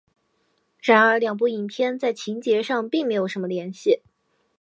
然而两部影片在情节上并没有什么联系。